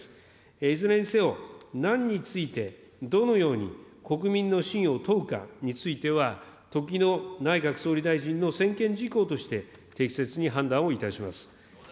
いずれにせよ、何についてどのように国民の信を問うかについては、時の内閣総理大臣の専権事項として、適切に判断をいたします。